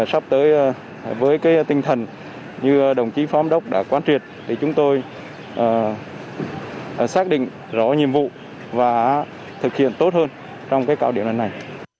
sắp tới với tinh thần như đồng chí phóng đốc đã quan trị chúng tôi xác định rõ nhiệm vụ và thực hiện tốt hơn trong đợt cao điểm này